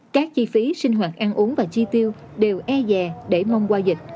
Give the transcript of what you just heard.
các chi phí sinh hoạt ăn uống và chi tiêu đều e dè để mong qua dịch